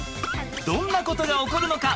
どんなことが起こるのか？